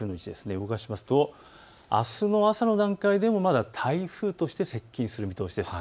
動かしますとあすの朝の段階でもまだ台風として接近する見通しです。